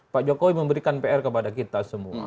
pak jokowi memberikan pr kepada kita semua